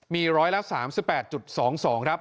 มีร้อยละ๓๘๒๒ครับ